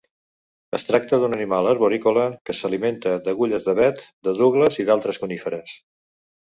Es tracta d'un animal arborícola que s'alimenta d'agulles d'avet de Douglas i altres coníferes.